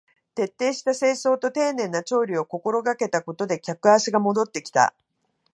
徹底した清掃と丁寧な調理を心がけたことで客足が戻ってきた